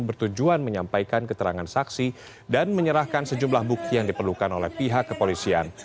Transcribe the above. bertujuan menyampaikan keterangan saksi dan menyerahkan sejumlah bukti yang diperlukan oleh pihak kepolisian